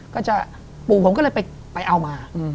ก็จะปู่ผมก็เลยไปเอามา